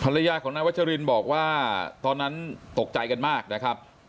ภรรยาของนายวัชรินบอกว่าตอนนั้นตกใจกันมากนะครับ